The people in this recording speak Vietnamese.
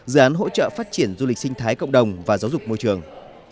dự án hỗ trợ phát triển du lịch sinh thái cộng đồng và giáo dục môi trường